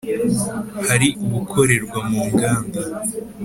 Hari ubukorerwa mu nganda